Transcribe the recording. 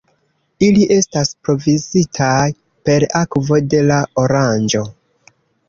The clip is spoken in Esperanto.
Ili estas provizitaj per akvo de la Oranĝo.